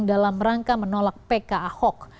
dalam rangka menolak pk ahok